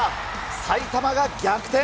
埼玉が逆転。